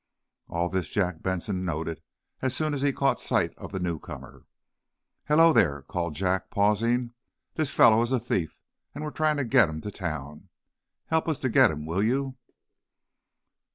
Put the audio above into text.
All this Jack Benson noted as soon as he caught sight of the newcomer. "Hullo, there!" called Jack, pausing. "This fellow is a thief, and we're trying to get him to town. Help us to get him, will you?"